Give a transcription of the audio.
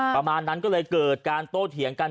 ประมาณนั้นก็เลยเกิดการโต้เถียงกัน